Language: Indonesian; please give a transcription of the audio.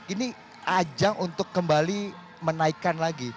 ini ajang untuk kembali menaikkan lagi